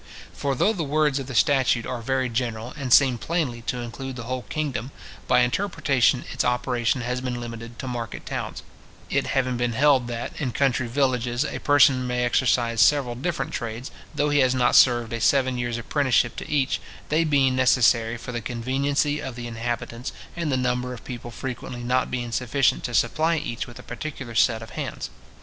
For though the words of the statute are very general, and seem plainly to include the whole kingdom, by interpretation its operation has been limited to market towns; it having been held that, in country villages, a person may exercise several different trades, though he has not served a seven years apprenticeship to each, they being necessary for the conveniency of the inhabitants, and the number of people frequently not being sufficient to supply each with a particular set of hands.